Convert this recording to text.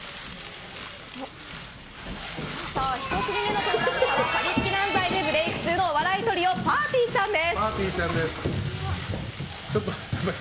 １組目の登壇者はパリピ漫才でブレーク中のお笑いトリオぱーてぃーちゃんです。